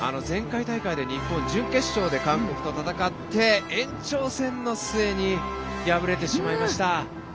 前回大会で日本は準決勝で韓国と戦って、延長戦の末に敗れてしまいました。